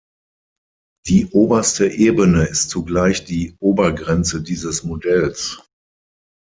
Die oberste Ebene ist zugleich die Obergrenze dieses Modells.